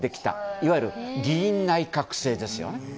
いわゆる議院内閣制ですよね。